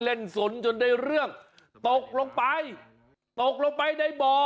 เล่นสนจนได้เรื่องตกลงไปตกลงไปในบ่อ